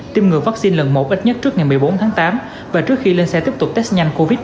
tiêm ngừa vaccine lần một ít nhất trước ngày một mươi bốn tháng tám và trước khi lên xe tiếp tục test nhanh covid một mươi